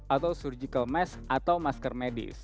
atau surgical mask atau masker medis